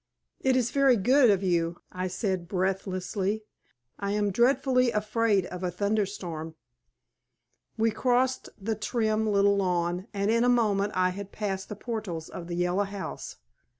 "It is very good of you," I said, breathlessly. "I am dreadfully afraid of a thunderstorm." We crossed the trim little lawn, and in a moment I had passed the portals of the Yellow House.